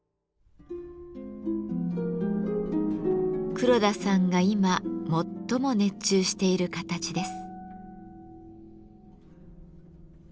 黒田さんが今最も熱中している形です。